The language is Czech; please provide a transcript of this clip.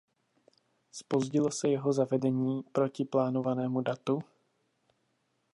Zpozdilo se jeho zavedení oproti plánovanému datu?